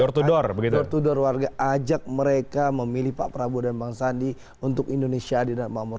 door to door begitu door to door warga ajak mereka memilih pak prabowo dan bang sandi untuk indonesia di daerah mamur